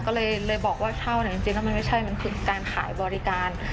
ก็เลยบอกว่าเช่าเนี่ยจริงแล้วมันไม่ใช่มันคือการขายบริการ